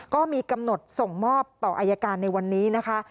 ก็มีกำหนดส่งมอบต่ออายการในวันนี้นะคะ